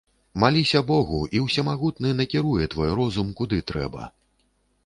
Маліся богу, і ўсемагутны накіруе твой розум, куды трэба.